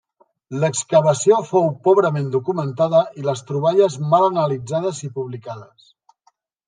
L'excavació fou pobrament documentada i les troballes mal analitzades i publicades.